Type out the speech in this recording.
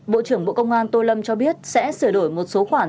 bộ trưởng bộ công an tô lâm cho biết sẽ sửa đổi một số khoản